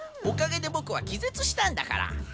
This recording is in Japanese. おかげでボクはきぜつしたんだから。